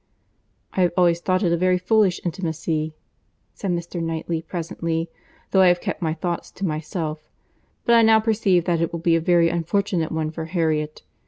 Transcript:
"I have always thought it a very foolish intimacy," said Mr. Knightley presently, "though I have kept my thoughts to myself; but I now perceive that it will be a very unfortunate one for Harriet.